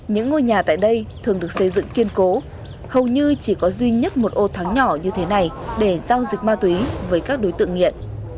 những ngôi nhà tại đây thường được xây dựng kiên cố hầu như chỉ có duy nhất một ô thoáng nhỏ như thế này để giao dịch ma túy với các đối tượng nghiện